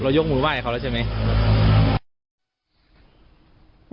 ยกมือไห้เขาแล้วใช่ไหม